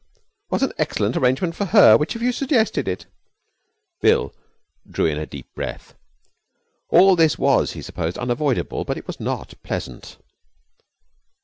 What an excellent arrangement for her. Which of you suggested it?' Bill drew in a deep breath. All this was, he supposed, unavoidable, but it was not pleasant.